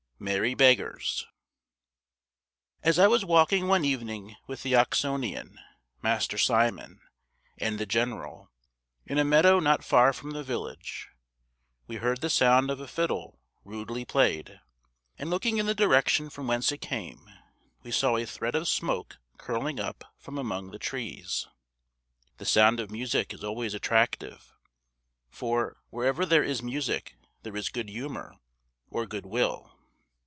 MERRY BEGGARS. As I was walking one evening with the Oxonian, Master Simon, and the general, in a meadow not far from the village, we heard the sound of a fiddle rudely played, and looking in the direction from whence it came, we saw a thread of smoke curling up from among the trees. The sound of music is always attractive; for, wherever there is music, there is good humour, or goodwill.